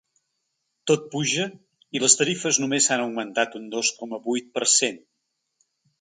Tot puja i les tarifes només s’han augmentat un dos coma vuit per cent.